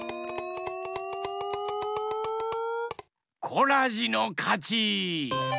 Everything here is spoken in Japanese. コラジのかち！